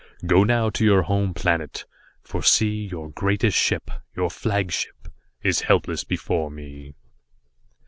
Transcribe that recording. Go now to your home planet, for see, your greatest ship, your flagship, is helpless before me."